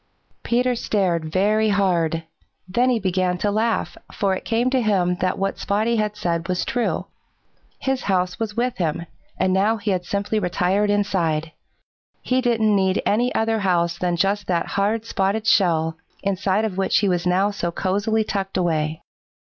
Peter stared very hard. Then he began to laugh, for it came to him that what Spotty had said was true. His house was with him, and now he had simply retired inside. He didn't need any other house than just that hard, spotted shell, inside of which he was now so cosily tucked away.